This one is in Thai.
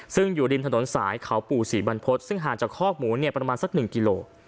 ซึ่งอยู่ริมถนนสายเขาปู่ศรีบรรพฤษซึ่งห่างจากคอกหมูเนี่ยประมาณสัก๑กิโล